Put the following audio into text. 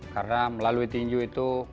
karena melalui tinju itu